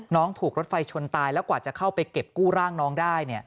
น้องถูกรถไฟชนตายแล้วกว่าจะเข้าไปเก็บกู้ร่างน้องได้